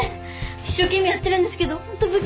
一生懸命やってるんですけどホント不器用で。